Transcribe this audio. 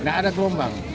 tidak ada kelompok